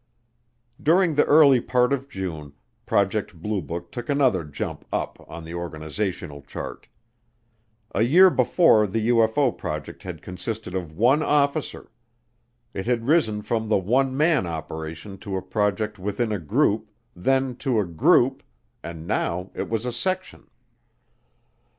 During the early part of June, Project Blue Book took another jump up on the organizational chart. A year before the UFO project had consisted of one officer. It had risen from the one man operation to a project within a group, then to a group, and now it was a section.